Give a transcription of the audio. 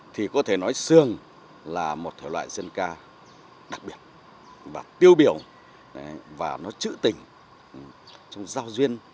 thì có thể nói xương là một thể loại dân ca đặc biệt và tiêu biểu và nó trữ tình trong giao duyên